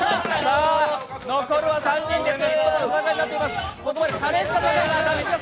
残るは３人です。